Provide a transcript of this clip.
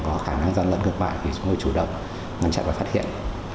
có khả năng gian lận gợt bại thì chúng tôi chủ động ngăn chặn và phát hiện